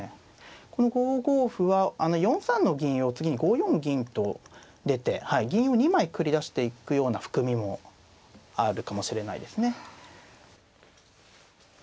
この５五歩は４三の銀を次に５四銀と出て銀を２枚繰り出していくような含みもあるかもしれないですね。